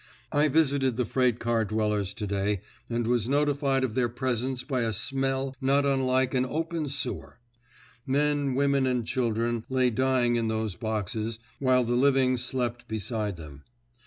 I visited the freight car dwellers today and was notified of their presence by a smell not unlike an open sewer. Men, women, and children lay dying in those boxes, while the living slept beside them.